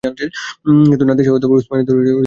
কিন্তু নাদির শাহ উসমানীয়দের বিতাড়িত করেন।